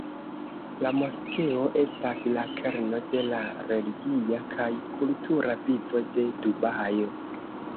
La moskeo estas la kerno de la religia kaj kultura vivo de Dubajo.